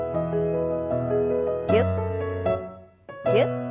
ぎゅっぎゅっ。